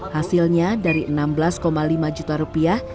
hasilnya dari enam belas lima juta rupiah